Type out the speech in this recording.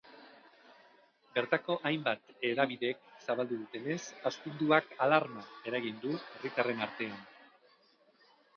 Bertako hainbat hedabidek zabaldu dutenez, astinduak alarma eragin du herritarren artean.